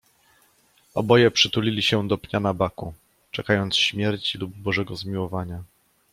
Oboje przytulili się do pnia nabaku, czekając śmierci lub Bożego zmiłowania.